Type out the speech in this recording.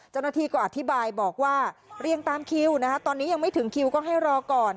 เจ้าหน้าที่ก็อธิบายบอกว่าเรียงตามคิวนะคะตอนนี้ยังไม่ถึงคิวก็ให้รอก่อน